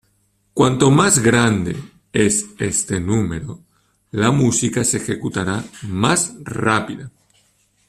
Cuanto más grande es este número, la música se ejecutará más rápida.